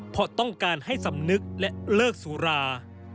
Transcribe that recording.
เพราะต้องการให้สำนึกและเลิกสุรา